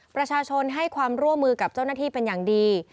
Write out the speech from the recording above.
ประชาชนให้ความร่วมมือกับเจ้าหน้าที่เป็นอย่างดี